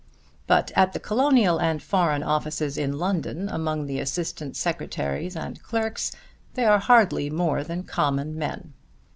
But at the colonial and foreign offices in London, among the assistant secretaries and clerks, they are hardly more than common men.